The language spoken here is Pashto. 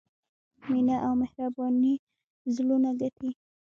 مینه او مهرباني زړونه ګټي.